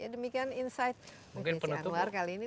demikian insight indonesia anwar kali ini